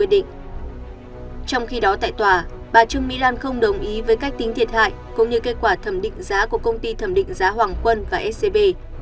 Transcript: trong khi đó tại tòa bà trương mỹ lan không đồng ý với cách tính thiệt hại cũng như kết quả thẩm định giá của công ty thẩm định giá hoàng quân và scb